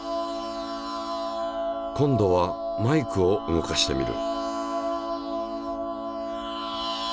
今度はマイクを動かしてみる。